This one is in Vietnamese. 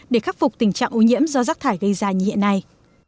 để khắc phục tình trạng ô nhiễm do rác thải gây ra như hiện nay